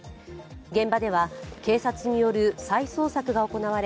現場では、警察による再捜索が行われ、